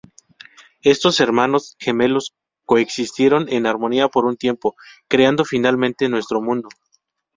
Estos "hermanos" gemelos coexistieron en armonía por un tiempo, creando finalmente nuestro mundo.